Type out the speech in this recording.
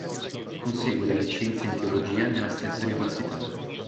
Consegue la licenza in teologia nella stessa università.